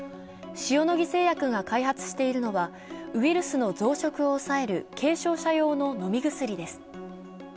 塩野義製薬が開発しているのはウイルスの増殖を抑える軽症者用の飲み薬です。